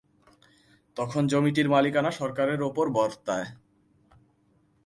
তখন জমিটির মালিকানা সরকারের ওপর বর্তায়।